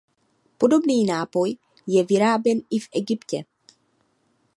Podobný nápoj je vyráběn i v Egyptě.